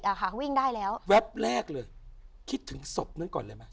อะค่ะวิ่งได้แล้วแวบแรกเลยคิดถึงศพนั้นก่อนเลยไหม